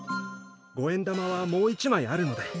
五円玉はもう一枚あるので。